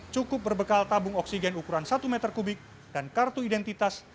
cukup berbekal tabung oksigen ukuran satu meter kubik dan kartu identitas